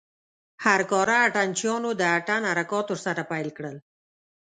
هر کاره اتڼ چيانو د اتڼ حرکات ورسره پيل کړل.